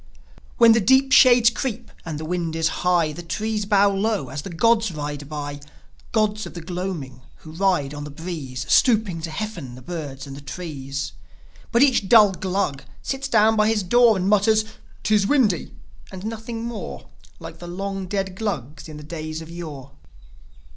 When the deep shades creep and the wind is high The trees bow low as the gods ride by: Gods of the gloaming, who ride on the breeze, Stooping to heaften the birds and the trees. But each dull Glug sits down by his door, And mutters, " 'Tis windy!" and nothing more, Like the long dead Glugs in the days of yore.